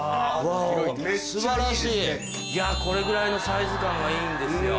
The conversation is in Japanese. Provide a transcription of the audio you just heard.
素晴らしいいやこれぐらいのサイズ感がいいんですよ。